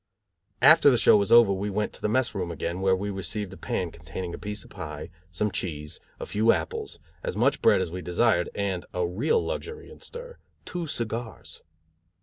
After the show was over we went to the mess room again where we received a pan containing a piece of pie, some cheese, a few apples, as much bread as we desired and a real luxury in stir two cigars.